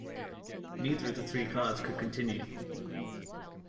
Neither of the three cars could continue.